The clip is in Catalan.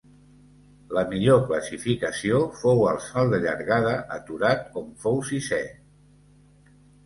La millor classificació fou al salt de llargada aturat on fou sisè.